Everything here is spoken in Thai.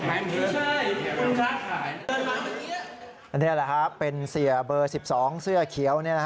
อันนี้แหละครับเป็นเสียเบอร์๑๒เสื้อเขียว